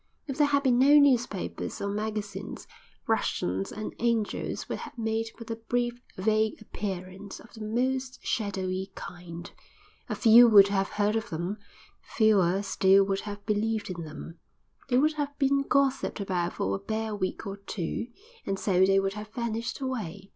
If there had been no newspapers or magazines Russians and Angels would have made but a brief, vague appearance of the most shadowy kind—a few would have heard of them, fewer still would have believed in them, they would have been gossiped about for a bare week or two, and so they would have vanished away.